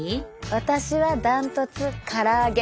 私は断トツから揚げ。